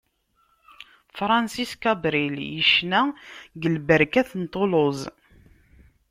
Francis Cabrel yecna deg lberkat n Toulouse.